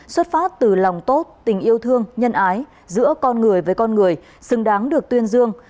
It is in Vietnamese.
xuất phát từ lòng tốt tình yêu thương nhân ái giữa con người với con người xứng đáng được tuyên dương